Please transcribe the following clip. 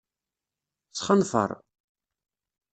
Sxenfeṛ.